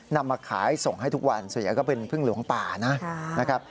นำมาขายส่งให้ทุกวันส่วนใหญ่ก็เป็นพึ่งหลวงป่านะครับ